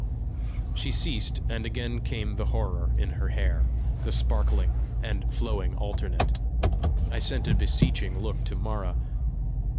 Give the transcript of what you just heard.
She ceased, and again came the horror in her hair, the sparkling and flowing alternate. I sent a beseeching look to Mara.